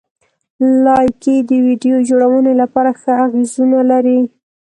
لایکي د ویډیو جوړونې لپاره ښه اغېزونه لري.